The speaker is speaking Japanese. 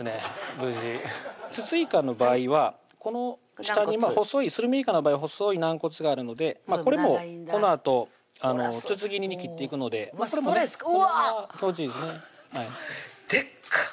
無事つついかの場合はこの下にするめいかの場合は細い軟骨があるのでこれもこのあと筒切りに切っていくのでストレスうわっこれは気持ちいいですねでっか！